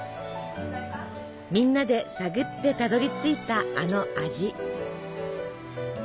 みんなで探ってたどりついたあの味。